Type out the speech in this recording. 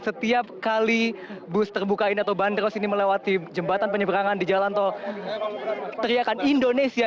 setiap kali bus terbuka ini atau bandros ini melewati jembatan penyeberangan di jalan tol teriakan indonesia